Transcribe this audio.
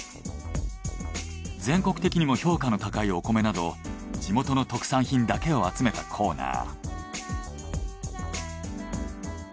全国的にも評価の高いお米など地元の特産品だけを集めたコーナー。